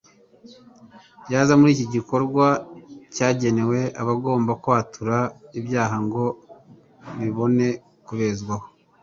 yaza muri iki gikorwa cyagenewe abagomba kwatura ibyaha ngo bibone kubezwaho ?